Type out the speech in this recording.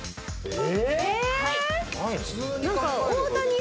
え！